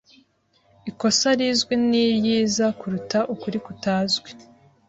Ikosa rizwi ni ryiza kuruta ukuri kutazwi. .